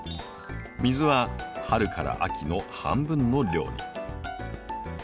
水は春から秋の半分の量に。